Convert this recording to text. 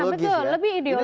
iya betul lebih ideologis